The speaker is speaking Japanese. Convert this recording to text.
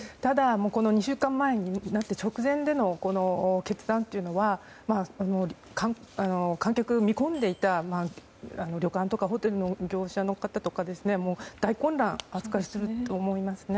２週間前になって直前での決断というのは観客を見込んでいた、旅館とかホテルの業者の方とか大混乱すると思いますね。